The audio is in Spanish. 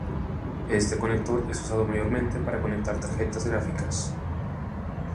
Este conector es usado mayormente para conectar tarjetas gráficas.